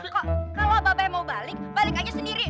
kok kalo babe mau balik balik aja sendiri